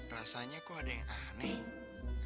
rasanya kok ada yang aneh